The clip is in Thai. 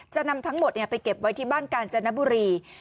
นำทั้งหมดไปเก็บไว้ที่บ้านกาญจนบุรี